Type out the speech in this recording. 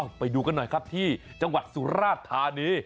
ไปดูกันหน่อยครับที่จังหวัดสุราธานี